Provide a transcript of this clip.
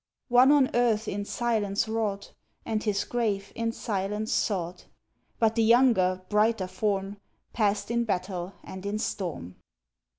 One on earth in silence wrought, And his grave in silence sought; But the younger, brighter form Passed in battle and in storm.